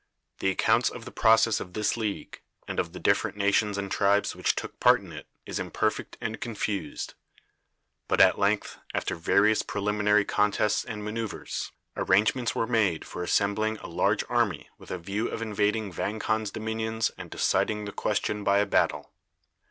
The accounts of the progress of this league, and of the different nations and tribes which took part in it, is imperfect and confused; but at length, after various preliminary contests and manoeuvres, arrangements were made for assembling a large army with a view of invading Vang Khan's dominions and deciding the question by a battle.